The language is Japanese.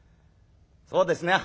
そうですな。